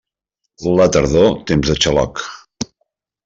La tardor, temps de xaloc.